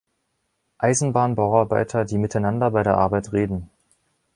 Eisenbahnbauarbeiter, die miteinander bei der Arbeit reden.